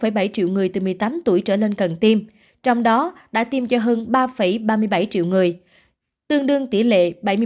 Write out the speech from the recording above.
hà nội có bốn bảy triệu người từ một mươi tám tuổi trở lên cần tiêm trong đó đã tiêm cho hơn ba ba mươi bảy triệu người tương đương tỷ lệ bảy mươi một bảy